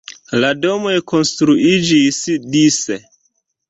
La domoj konstruiĝis dise.